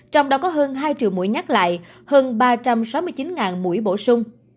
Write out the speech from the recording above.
trong đó có hơn hai triệu mũi nhắc lại hơn ba trăm sáu mươi chín mũi bổ sung